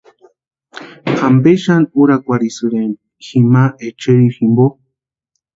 ¿Ampe xani úrakwarhisïrempki jima echeri jimpo?